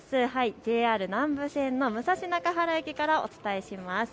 ＪＲ南武線の武蔵中原駅からお伝えします。